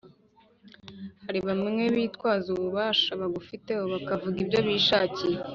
Haribamwe bitwaza ububasha bagufiteho bakavuga ibyo bishakiye